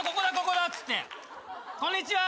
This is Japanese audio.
「こんにちは」